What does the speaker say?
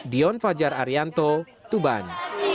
dion fajar arianto tuban